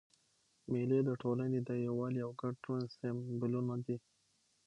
مېلې د ټولني د یووالي او ګډ ژوند سېمبولونه دي.